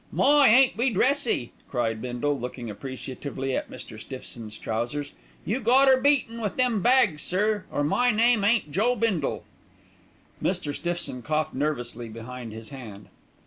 "My, ain't we dressy!" cried Bindle, looking appreciatively at Mr. Stiffson's trousers. "You got 'er beaten with them bags, sir, or my name ain't Joe Bindle." Mr. Stiffson coughed nervously behind his hand.